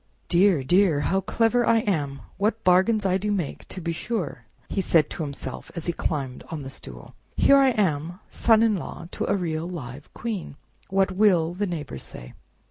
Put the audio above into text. "Dear! dear! how clever I am! What bargains I do make, to be sure!" said he to himself as he climbed on to the stool. "Here I am, son in law to a real live Queen! What will the neighbors say?"